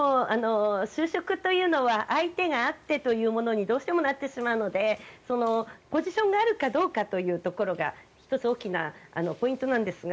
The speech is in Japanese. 就職というのは相手があってというものにどうしてもなってしまうのでポジションがあるかどうかというところが１つ、大きなポイントなんですが